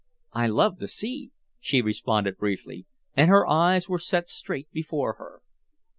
"I love the sea," she responded briefly, and her eyes were set straight before her.